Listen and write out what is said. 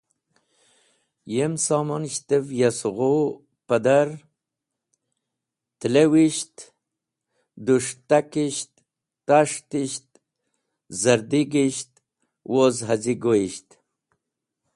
Yem somonishtev ya sughu, pẽdar, tẽlewisht, dũs̃htakisht, tas̃htisht, zardig̃hisht woz haz̃igoyisht.